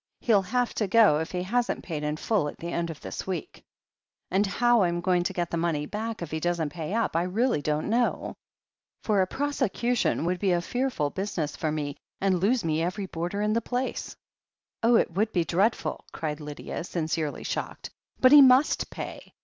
He'll have to go if he hasn't paid in full at the end of this week. And how THE HEEL OF ACHILLES 165 Fm to get the money back if he doesn't pay up I really don't know, for a prosecution would be*a fearful busi ness for me, and lose me every boarder in the place," "Oh, it would be dreadful!" cried Lydia, sincerely shocked. "But he must pay.